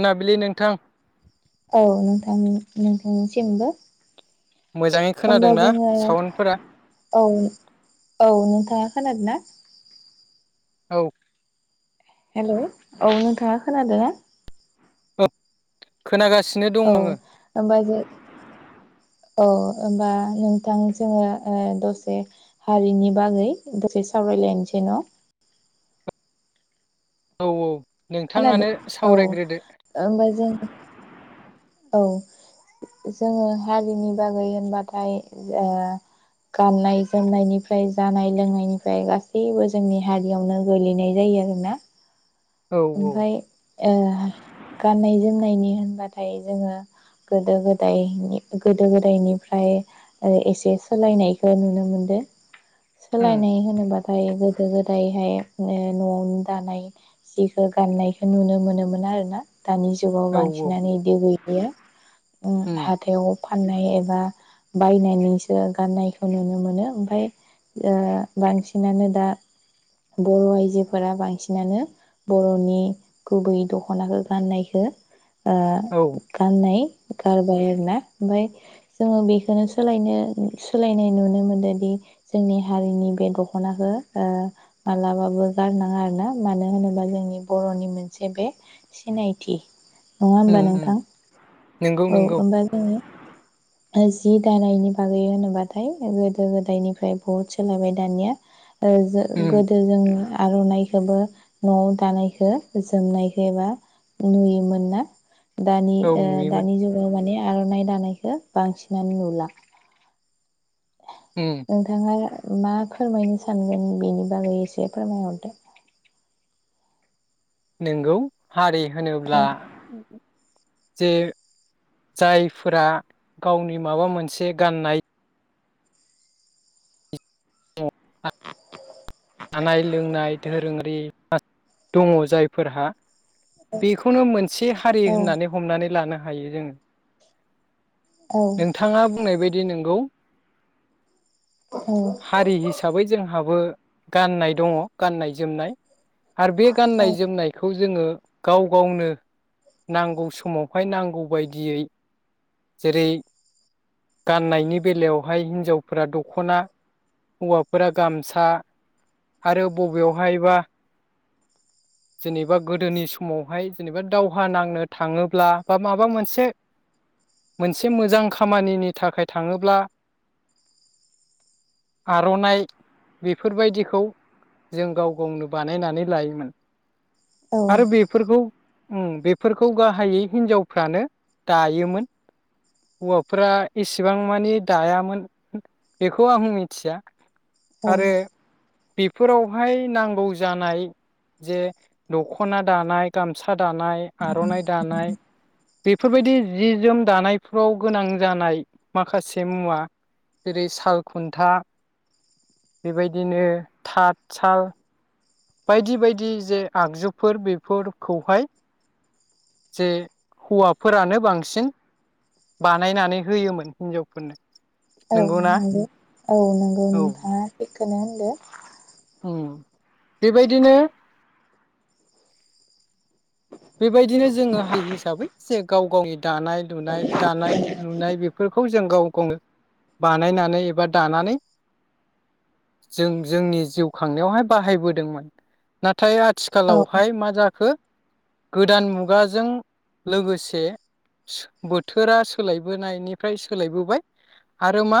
मोनाबिलि नोंथां औ नोंथां नों नों थांनिसिमबो मोजाङै ओमबा खोनादोंना जोङो साउन्डफोरा औ औ नोंथाङा खोनादोना औ हेलौ' औ नोंथाङा खोनादोना ओ खो खोनागासिनो दं औ नोङो होमबा जों औ होमबा नोंथां जोङो ओ दसे हारिनि बागै दसे सावरायलायनोसै न' औ औ खोनादो नोंथाङानो औ सावरायग्रोदो होनबा जों औ जोङो हारिनि बागै होनबाथाय ओ गाननाय जोमनायनिफ्राय जानाय लोंनायनिफ्राय गासैबो जोंनि हारियावनो गोलैनाय जायो आरोना औ औ ओमफाय ओ गाननाय-जोमनायनि होनबाथाय जोङो गोदो-गोदायनि गोदो-गोदायनिफ्राय ओ एसे सोलायनायखो नुनो मोनदो उम सोलायनाय होनोबा ओमफाय गोदो गोदायहाय ओ न'आवनो दानाय जिखो गाननायखो नुनो मोनोमोन आरोना दानि जुगाव औ औ बांसिनानो इदि [unintelligible] अम उम हाथायाव फाननाय एबा बायनानैसो गाननायखौ नुनो मोनो ओमफाय ओ बांसिनानो दा बर' आयजोफोरा बांसिनानो बर'नि गुबैयै दख'नाखो गाननायखो ओ औ गाननाय गारबाय आरोना ओमफाय जोङो बेखोनो सोलायनो सोलायनाय नुनो मोनदोदि जोंनि हारिनि बे दख'नाखो ओ मालाबाबो गारनाङा आरोना मानो होनोबा जोंनि बर'नि मोनसे बे सिनायथि नङा होमबा उम उम नोंथां नोंगौ औ नोंगौ होमबा जोङो ओ जि दानायनि बागै होनोबाथाय गोदो गोदायनिफ्राय बहुद सोलायबाय दानिया ओ जो उम गोदो जों आर'नाइखौबो न'आव दानायखो जोमनायखो एबा नुयोमोन ना दानि औ ओ नुयोमोन दानि जुगाव माने आर'नाइ दानायखौ बांसिनानो नुला उम नोंथाङा मा फोरमायनो सानगोन बेनि बागै एसे फोरमायहरदो। नोंगौ हारि होनोब्ला जे जायफोरा गावनि माबा मोनसे गाननाय जानाय लोंनाय धोरोङारि दङ जायफोरहा बेखौनो मोनसे हारि औ होननानै हमनानै लानो हायो जोङो। औ नोंथाङा बुंनाय बाय दि नोंगौ औ हारि हिसाबै जोंहाबो गाननाय दङ गाननाय जोमनाय आरो बे गाननाय जोमनायखौ जोङो गाव गावनो नांगौ समावहाय नांगौ बायदियै जेरै गाननायनि बेलायावहाय हिनजावफोरा दख'ना हौवाफोरा गामसा आरो बबेयावहायबा जेनेबा गोदोनि समावहाय जेनेबा दावहा नांनो थाङोब्ला बा माबा मोनसे फोरबायदिखौ जों गाव गावनो बानायनानै लायोमोन। औ आरो बेफोरखौ उम बेफोरखौ गाहायै हिनजावफ्रानो दायोमोन हौवाफ्रा इसिबां मानि दायामोन बेखौ आं मिथिया औ आरो बेफोरावहाय नांगौ जानाय जे दखना दानाय गामसा दानाय आर'नाइ दानाय बेफोरबायदि जि जोम दानायफ्राव गोनां जानाय माखासे मुवा जेरै साल खुन्था बेबाय दिनो थाथ साल बायदि बायदि जे आगजुफोर बेफोरखौहाय जे हौवाफोरानो बांसिन बानायनानै होयोमोन हिनजावफोरनो औ नंगौना नंगौ औ नंगौ औ नोंथाङा सै थिगखोनो होनदो उम बेबायदिनो बेबायदिनो जोङो हारि हिसाबै जे गाव गावनि दानाय दुनाय दानाय लुनाय बेफोरखौ जों गाव गावनो बानायनानै एबा दानानै जों जोंनि जिउ खांनायावहाय बाहायबोदोंमोन ना थाय औ आथिखालावहाय मा जाखो गोदान मुगाजों लोगोसे बोथोरा सोलायबोनायनिफ्राय सोलायबोबाय आरो मा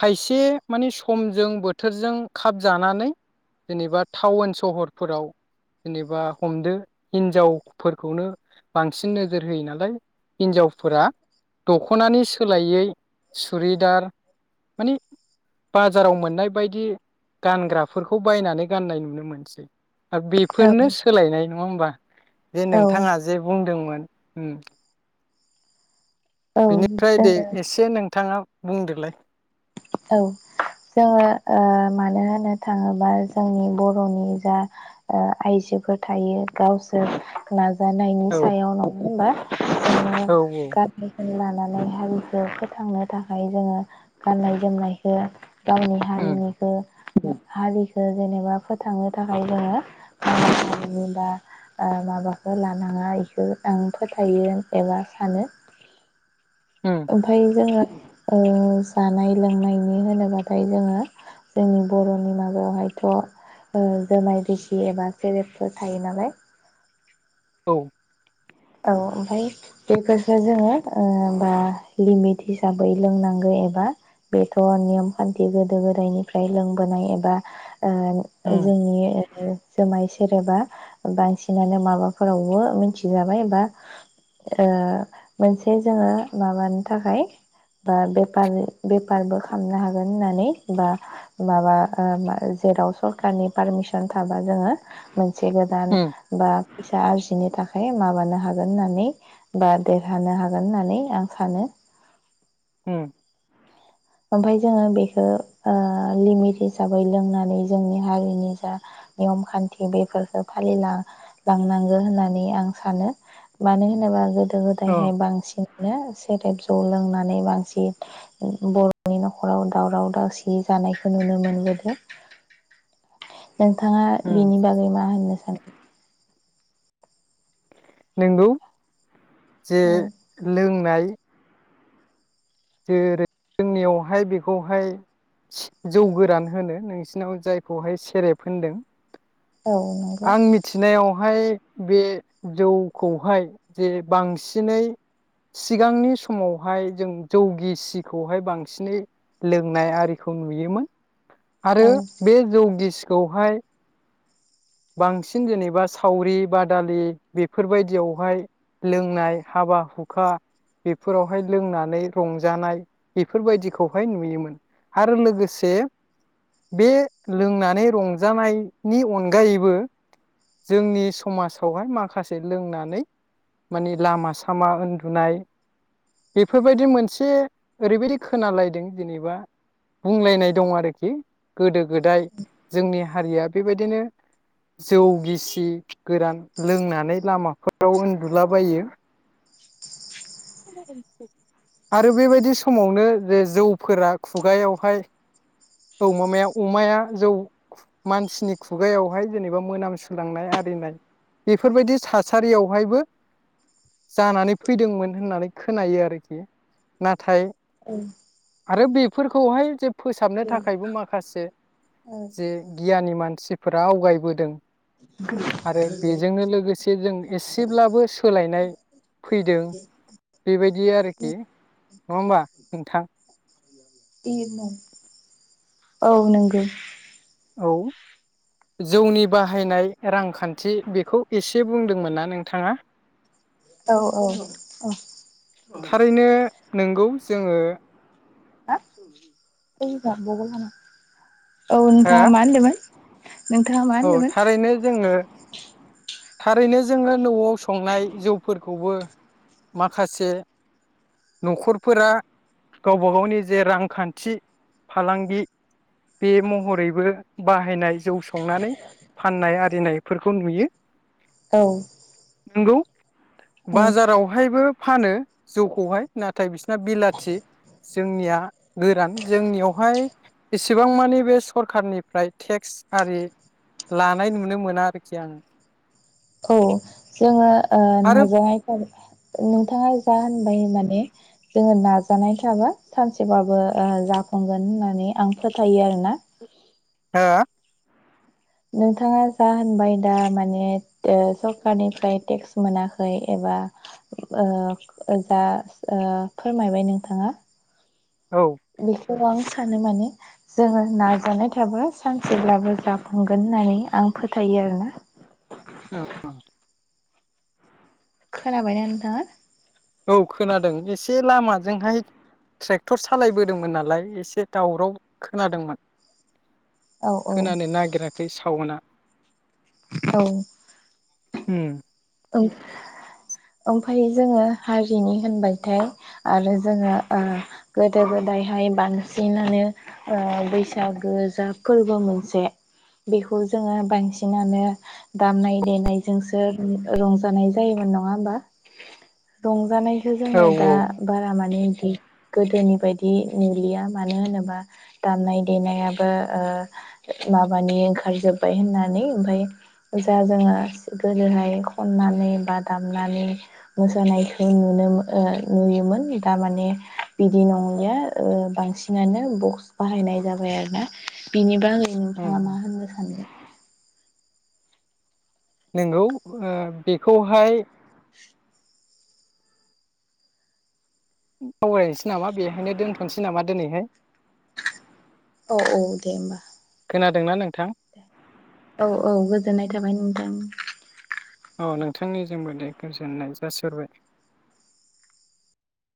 खायसे माने समजों बोथोरजों खाब जानानै जेनेबा टावउन सहरफोराव जेनेबा हमदो हिनजावफोरखौनो बांसिन नोजोर होयो नालाय हिनजावफोरा दख'नानि सोलायै सुरिदार माने बाजाराव मोननाय बायदि गानग्राफोरखौ बायनानै गाननाय नुस ओ बेफोरनो नङा होमबा जे औ नोंथाङा जे बुंदोंमोन हम औ बिनिफ्राय जों दे एसे नोंथाङा बुंदोलाय औ जोङो ओ मानो होनो थाङोबा जोंनि बर'नि जा ओ आइजोफोर थायो गावसोर नाज जानायनि औ सायाव नङा होनबा [unintelligible] [unintelligible] औ [unintelligible] लानानै हारिखौ फोथांनो थाखाय जोङो गाननाय जोमनायखो गावनि उम हारिनिखो हारिखो जेनेबा फोथांनो थाखाय जोङो मालाय हारिनि बा ओ माबाखौ लानाङा इखो आं फोथायो एबा सानो उम ओमफाय जोङो ओ जानाय लोंनायनि होनोबाथाय जोङो जोंनि बर'नि माबायावहायथ' ओ जुमाय गिसि एबा सेरेबफोर थायो नालाय औ औ ओमफाय बेफोरसो जोङो ओ बा लिमिट हिसाबै लोंनांगौ एबा बेथ' नियम खान्थि गोदो गोदायनिफ्राय लोंबोनाय एबा ओ उम जोंनि ओ जुमाय सेरेबा बांसिनानो माबाफोरावबो मिथिजाबाय बा ओ मोनसे जोङो माबानो थाखाय ओ बेफार बेफारबो खामनो हागोन होन्नानै बा माबा ओ मा जेराव सरकारनि पारमिसन थाबा जोङो से गोदान उम बा फिसा आरजिनो थाखाय माबानो होन होननानै बा देरहानो हागोन होननानै आं सानो उम ओमफ्रायाय जोङो बेखौ ओ लिमिट हिसाबै लोंनानै जोंनि हारिनि जा नियम खान्थि बेफोरखौ फालिल लांनांगौ होननानै आं सानो मानो होनोबा गोदो अ गोदायहाय बांसिनानो सेरेफ जौ लोंनानै बांसिन बर बर' नि नखराव दावराव दावसि जानायखौ नुनो मोनबोदों नोंथाङा उम बिनि बागै मा होननो सानो नोंगौ जे औ लों नाय जेरै जोंनियावहाय बेखौहाय जौ गोरान होनो नोंसिनाव जायखौहाय सेरेब होनदों औ नंगौ बेहाय बे जौखौहाय जे बांसिनै सिगांनि समावहाय जों जौगिसिखौहाय बांसिनै लोंनाय आरिखौ नुयोमोन औ आरो बे जौ गिसि बेहाय बांसिन जेनेबा सावरि बादालि बेफोरबायदियावहाय लोंनाय हाबा हुखा बेफोरावहाय लोंनानै रंजानाय बेफोरबायदिखौहाय नुयोमोन आरो लोगोसे बे लोंनानै रंजानायनि अन अनगायैबो जोंनि समाजावहाय माखासे लोंनानै माने लामा सामा उन्दुनाय बेफोरबायदि मोनसे ओरैबायदि खोनालायदों जेनेबा बुंलायनाय दं आरोखि गोदो। गोदाय जोंनि हारिया बेबायदिनो जौ गिसि गोरान लोंनानै लामाफोराव उन्दुलाबायो आरो बेबायदि समावनो जे जौफोरा खुगायावहाय औ माया अमाया जौ मानसिनि खु खुगायावहाय जेनेबा मोनामसुलांनाय आरिनाय बेफोरबायदि थासारियावहायबो जानानै फैदोंमोन होननानै खोनायो आरोखि नाथाय औ आरो बेफोरखौहाय जे फोसाबनो थाखायबो माखासे जे गियानि मान। फोर आवगायबोदों। आरो बेजोंनो लोगोसे जों एसेब्लाबो सोलायनाय फैदों बेबायदि आरोखि नङा होमबा? नोंथां [unintelligible] औ नोंगौ औ जौनि बाहायनाय रांखान्थि बेखौ एसे बुंदोंमोन ना नोंथाङा औ औ थारैनो औ नोंगौ जोङो। [unintelligible] औ हो नोंथाङा मा होनदोंमोन? नोंथाङा मा औ होनदोंमोन? थारैनो जोङो थारैनो जोङो नआव संनाय जौफोरखौबो माखासे नखरफोरा गावबा गावनि जे रांखान्थि फालांगि बे महरैबो बाहायनाय जौ संनानै फाननाय आरिनायफोरखौ नुयो। औ नोंगौ। औ बाजारावहायबो फानो जौखौहाय नाथाय बिसना बिलाथि जोंनिया गोरान जोंनियावहाय एसेबां मानि बे सरखारारनिफ्राय टेक्स आरि लानाय नुनो मोना आरोखि आङो। औ जोङो आरो नाजानायख नोंथाङा जा होनबाय माने जोङो नाजानाय थाबा सानसेबाबो जाफुंगोन होननानै आं फोथायो आरोना। हा। नोंथाङा जा होनबाय दा माने सरखारारनिफ्राय टेक्स मोनाखै एबा जा फोरमायबाय नोंथाङा औ। बेखौ आं सानो माने जोङो नाजानाय थाबा सानसेब्लाबो जाफुंगोन होननानै आं फोथायो आरोना। [unintelligible] खोनाबायना नोंथाङा? औ खोनादों एसे लामाजोंहाय ट्रेक्टर सालायबोदोंमोन नालाय एसे दावराव खोनादोंमोन। औ औ खोनानो नागिराखै सावना। औ। उम। ओमफ्राय जोंङो हारिनि होनबायथाय आरो जोंङो गोदो गोदायहाय बांसिनानो बैसागो जा फोरबो मोनसे बेखौ जोंङो बांसिनानो दामनाय देनायजोंसो रंजानाय जायोमोन नंङा होमबा रंजानाय बे औ जोंङो दा बारा मानि गोदोनि बायदि नुलिया मानो होनोबा दामनाय देनायाबो माबानि ओंखारजोब्बाय होननानै ओमफाय जा जोंङो गोदोहाय खननानै बा दामनानै मोसानायखौ नुनो नुयोमोन दारमाने बिदि नंलिया बांसिनानो बक्स बाहायनाय जाबाय आरो ना बिनिबा नोंथाङा मा उम होननो सानो नंगौ बेखौहाय [inaudible] नामा बेहाय दोनथ'सैमा दिनैहाय औ औ दे होमबा। खोनादोंना नोंथां। औ औ गोजोननाय थाबाय नोंथां। औ नोंथांनिसिमबो दे गोजोननाय जासबाय।